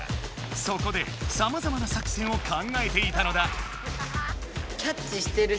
そこでさまざまな作戦を考えていたのだ。